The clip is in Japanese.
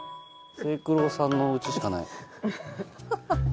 清九郎さんのおうちしかない。